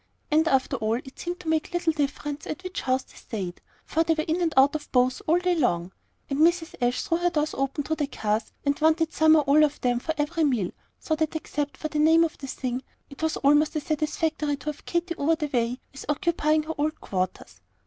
And after all, it seemed to make little difference at which house they stayed, for they were in and out of both all day long; and Mrs. Ashe threw her doors open to the Carrs and wanted some or all of them for every meal, so that except for the name of the thing, it was almost as satisfactory to have Katy over the way as occupying her old quarters.